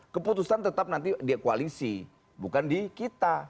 keputusan tetap nanti di koalisi bukan di kita